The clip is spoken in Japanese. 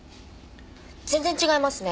全然違いますね。